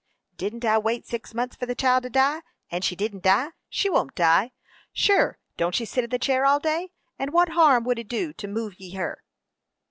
"Didn't I wait six months for the child to die, and she didn't die? She won't die. Sure, don't she sit in the chair all day? and what harm would it do to move her?"